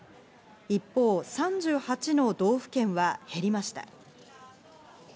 一方、３８の道府県は減りました。